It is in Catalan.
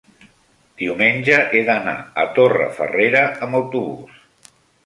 diumenge he d'anar a Torrefarrera amb autobús.